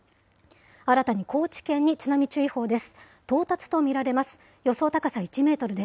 新たに高知県に津波注意報です。